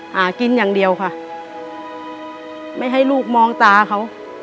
หากินอย่างเดียวค่ะไม่ให้ลูกมองตาเขา